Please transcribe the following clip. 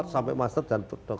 sampai master dan doktor